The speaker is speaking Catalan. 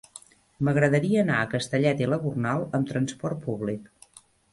M'agradaria anar a Castellet i la Gornal amb trasport públic.